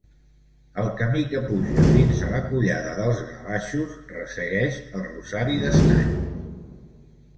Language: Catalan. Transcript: El camí que puja fins a la Collada dels Gavatxos, ressegueix el rosari d'estanys.